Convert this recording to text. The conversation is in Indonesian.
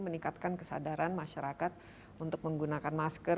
meningkatkan kesadaran masyarakat untuk menggunakan masker